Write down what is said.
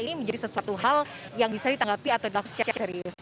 ini menjadi sesuatu hal yang bisa ditanggapi atau dilakukan secara serius